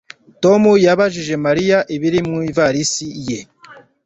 Tom yabajije Mariya ibiri mu ivarisi ye